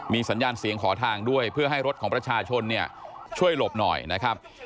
มีสัญญาณเสียงขอทางด้วยเพื่อให้รถของประชาชนเนี่ยช่วยหลบหน่อยนะครับ